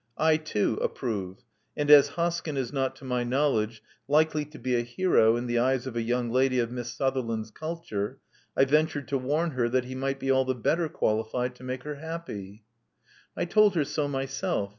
I too, approve; and as Hoskyn is not, to my knowledge, likely to be a hero in the eyes of a young lady of Miss Sutherland's culture, I ventured to warn her that he might be all the better qualified to make her happy." '*I told her so myself.